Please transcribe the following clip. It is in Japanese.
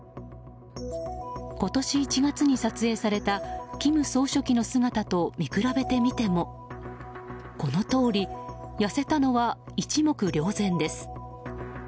今年１月に撮影された金総書記の姿と見比べてみてもこのとおり、痩せたのは一目瞭然です。